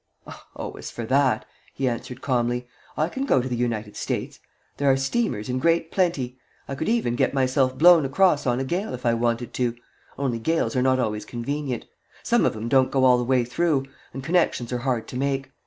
"Oh, as for that," he answered, calmly, "I can go to the United States. There are steamers in great plenty. I could even get myself blown across on a gale, if I wanted to only gales are not always convenient. Some of 'em don't go all the way through, and connections are hard to make.